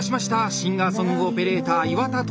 シンガーソングオペレーター岩田稔